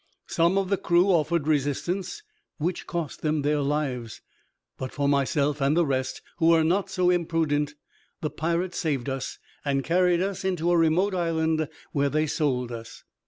Some of the crew offered resistance, which cost them their lives. But for myself and the rest, who were not so imprudent, the pirates saved us, and carried us into a remote island, where they sold us.